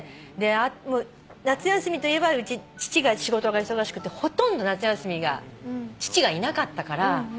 夏休みといえばうち父が仕事が忙しくてほとんど夏休み父がいなかったから。